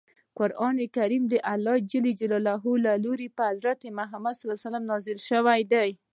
قران کریم د الله ج له لورې په محمد ص نازل شوی دی.